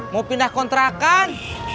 mau pindah kontrakan